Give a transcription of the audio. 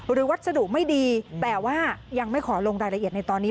วัสดุไม่ดีแต่ว่ายังไม่ขอลงรายละเอียดในตอนนี้